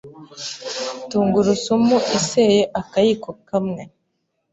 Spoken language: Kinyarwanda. tungurusumu iseye akayiko kamwe,